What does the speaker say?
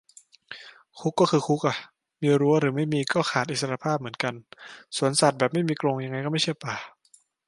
คุกก็คือคุกอ่ะ มีรั้วหรือไม่มี ก็ขาดอิสรภาพเหมือนกัน สวนสัตว์แบบไม่มีกรง ยังไงก็ไม่ใช่ป่า